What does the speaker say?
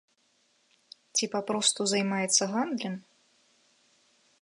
Ці папросту займаецца гандлем?